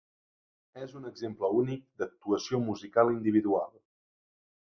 És un exemple únic d'actuació musical individual.